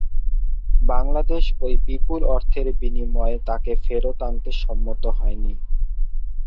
বাংলাদেশ ওই বিপুল অর্থের বিনিময়ে তাকে ফেরত আনতে সম্মত হয়নি।